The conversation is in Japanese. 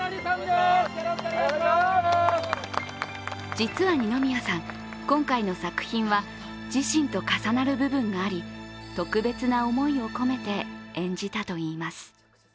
実は二宮さん、今回の作品は自身と重なる部分があり、特別な思いを込めて演じたといいます。